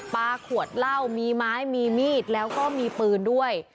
ขวดเหล้ามีไม้มีมีดแล้วก็มีปืนด้วย